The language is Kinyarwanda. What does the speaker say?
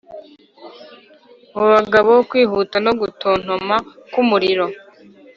mu bagabo kwihuta no gutontoma k'umuriro